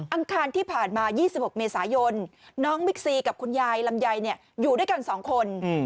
คารที่ผ่านมา๒๖เมษายนน้องบิ๊กซีกับคุณยายลำไยอยู่ด้วยกัน๒คน